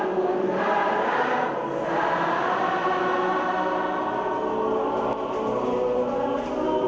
โบราษีที่มีทางทางพัฒนาดูใด